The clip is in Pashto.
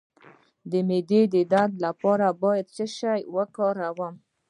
د معدې درد لپاره باید څه شی وکاروم؟